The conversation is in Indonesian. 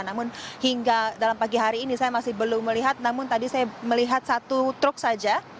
namun hingga dalam pagi hari ini saya masih belum melihat namun tadi saya melihat satu truk saja